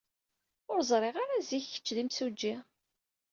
Ur ẓriɣ ara ziɣ kečč d imsujji.